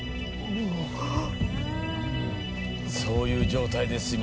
そういう状態です